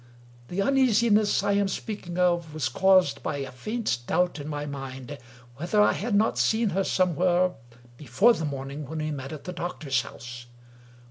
The uneasiness I am speaking of was caused by a faint doubt in my mind whether I had not seen her somewhere, before the morning when we met at the doctor's house.